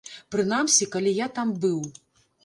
Прынамсі, калі я там быў.